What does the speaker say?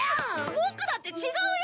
ボクだって違うよ！